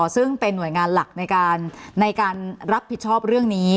ซึ่งเป็นหน่วยงานหลักในการรับผิดชอบเรื่องนี้